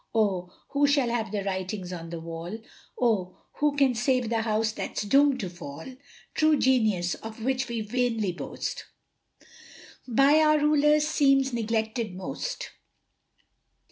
Oh, who shall have the writings on the walls, Oh, who can save the house that's doomed to fall? True genius, of which we vainly boast, By our rulers seems neglected most.